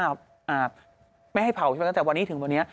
แม่ให้เผาใช่ไหมก็จะมาจากวันนี้ถึงวันนี้